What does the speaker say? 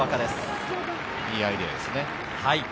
いいアイデアですね。